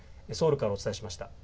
ソウルからお伝えしました。